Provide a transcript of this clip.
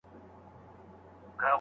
راته وایه ستا به څو وي اولادونه